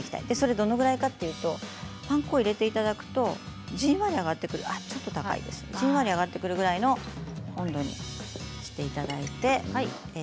どのぐらいかというとパン粉を揚げていただくとじんわり上がってくるくらいの温度にしていただいて。